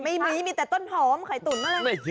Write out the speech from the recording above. ไม่มีมีแต่ต้นหอมไข่ตุ๋นมาเลย